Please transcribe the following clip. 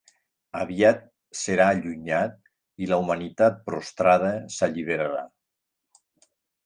Aviat serà allunyat i la humanitat prostrada s'alliberarà.